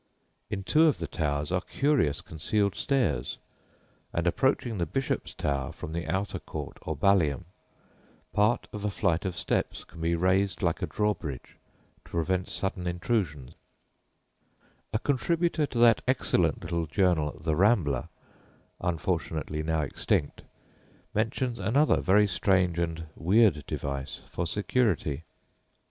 In two of the towers are curious concealed stairs, and approaching "the Bishop's Tower" from the outer court or ballium, part of a flight of steps can be raised like a drawbridge to prevent sudden intrusion. [Footnote 1: See Burke's Visitation of Seats, vol. i.] A contributor to that excellent little journal The Rambler, unfortunately now extinct, mentions another very strange and weird device for security.